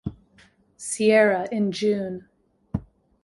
Sierra in June.